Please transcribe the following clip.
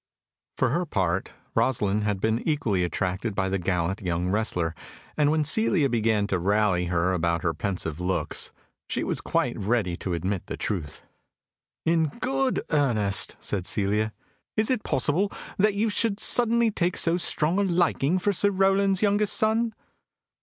For her part, Rosalind had been equally attracted by the gallant young wrestler, and when Celia began to rally her about her pensive looks, she was quite ready to admit the truth. "In good earnest," said Celia, "is it possible that you should suddenly take so strong a liking for old Sir Rowland's youngest son?"